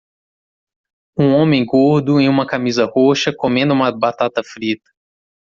Um homem gordo em uma camisa roxa comendo uma batata frita.